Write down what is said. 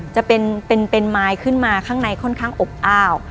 จะเป็นไม้ขึ้นมาข้างในค่อนข้างอบอ้าว